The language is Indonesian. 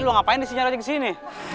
lo ngapain disini nyarang aja kesini